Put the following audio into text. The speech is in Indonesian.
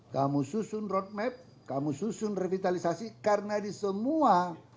kamu susun roadmap kamu susun revitalisasi karena di semua